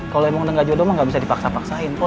kalau emang udah gak jodoh emang gak bisa dipaksa paksain poh